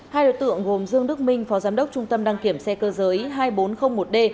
hai đối tượng gồm dương đức minh phó giám đốc trung tâm đăng kiểm xe cơ giới hai nghìn bốn trăm linh một d